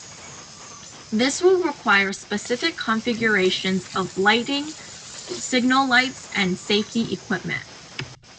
This will require specific configurations of lighting, signal lights, and safety equipment.